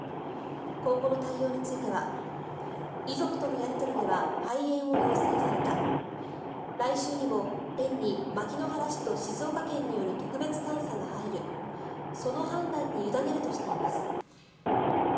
今後の対応については遺族とのやり取りでは廃園を要請された来週にも園に牧之原市と静岡県による特別監査が入るその判断に委ねるとしています。